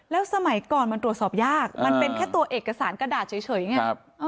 แล้วสมัยก่อนมันตรวจสอบยากมันเป็นแค่ตัวเอกสารกระดาษเฉยไง